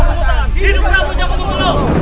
hidup prabu jawa mungo